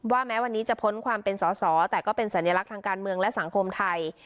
แม้วันนี้จะพ้นความเป็นสอสอแต่ก็เป็นสัญลักษณ์ทางการเมืองและสังคมไทย